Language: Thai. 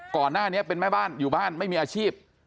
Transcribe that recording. ก่อนหน้านี้เป็นแม่บ้านอยู่บ้านไม่มีอาชีพ